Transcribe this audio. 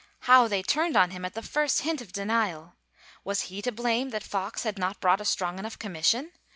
How they turned on him at the first hint of denial ! Was he to blame that Foxe had not brought a strong enough commission